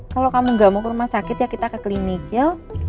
kalau kamu gak mau ke rumah sakit ya kita ke klinik ya